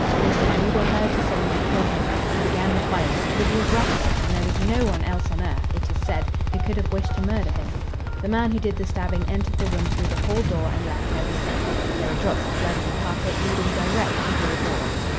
Listen You were heard to say you would kill him; you began the fight; you were the aggressor, and there is no one else on earth, it is said, who could have wished to murder him. The man who did the stabbing entered the room through the hall door and left by the same. There are drops of blood in the carpet, leading direct to your door.